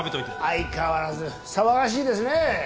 相変わらず騒がしいですね。